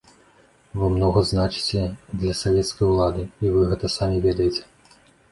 Вы многа значыце для савецкай улады, і вы гэта самі ведаеце.